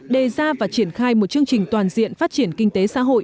đề ra và triển khai một chương trình toàn diện phát triển kinh tế xã hội